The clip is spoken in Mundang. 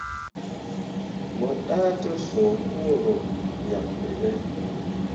Mo ɗah tesũũ huro yak ɓene.